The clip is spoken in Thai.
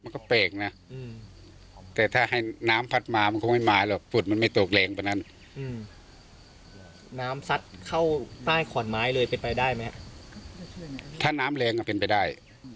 ก็ไม่รู้มันจะเล็งมันเล็งแค่ไหนนะอืมก็ไม่ได้มาดูน้ำน้ำด้วย